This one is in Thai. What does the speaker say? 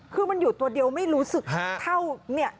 คือมันอยู่ตัวเดียวไม่รู้สึกเท่าเนี่ย